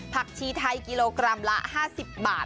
ชีไทยกิโลกรัมละ๕๐บาท